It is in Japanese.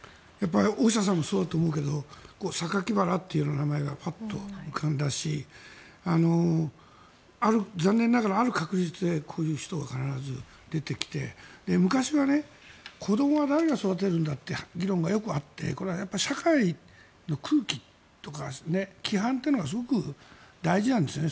大下さんもそうだと思うけど酒鬼薔薇っていう名前がパッと浮かんだし残念ながらある確率でこういう人が必ず出てきて、昔は子どもは誰が育てるんだという議論がよくあってこれは社会の空気とか規範というのがすごく大事なんですよね。